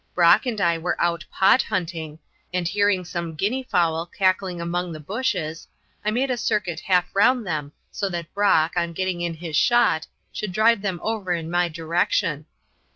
Brock and I were out "pot hunting," and hearing some guinea fowl cackling among the bushes, I made a circuit half round them so that Brock, on getting in his shot, should drive them over in my direction.